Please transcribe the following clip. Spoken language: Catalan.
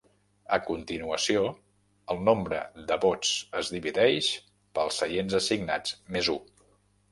A continuació, el nombre de vots es divideix pels seients assignats "més u".